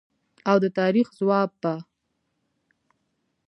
او د تاریخ ځواب به